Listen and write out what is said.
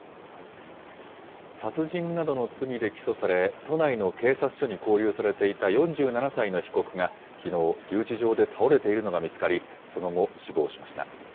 殺人などの罪で起訴され、都内の警察署に勾留されていた４７歳の被告が、きのう、留置場で倒れているのが見つかり、その後、死亡しました。